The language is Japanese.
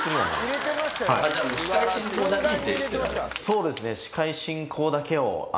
そうですね。